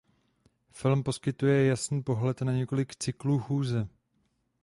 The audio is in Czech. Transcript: Film poskytuje jasný pohled na několik cyklů chůze.